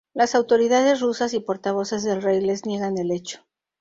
Las autoridades rusas y portavoces del rey les niega el hecho.